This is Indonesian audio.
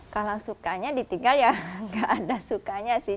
kalau sukanya ditinggal ya nggak ada sukanya sih